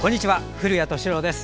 古谷敏郎です。